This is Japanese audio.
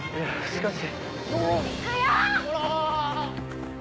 しかし。